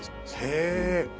へえ。